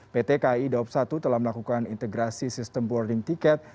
pt kai daob satu telah melakukan integrasi sistem boarding ticket